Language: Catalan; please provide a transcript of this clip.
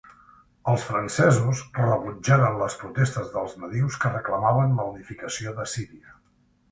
Els francesos rebutjaren les protestes dels nadius que reclamaven la unificació de Síria.